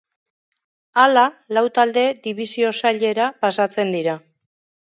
Hala, Lau talde Dibisio Sailera pasatzen dira.